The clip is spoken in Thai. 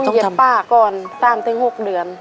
ต้องเย็บปากก่อน๓๖เดือน